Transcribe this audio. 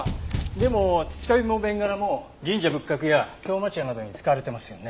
でも土壁もベンガラも神社仏閣や京町屋などに使われてますよね。